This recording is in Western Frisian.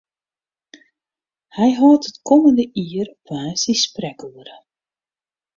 Hy hâldt it kommende jier op woansdei sprekoere.